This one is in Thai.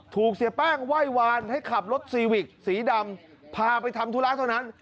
เสียแป้งไหว้วานให้ขับรถซีวิกสีดำพาไปทำธุระเท่านั้น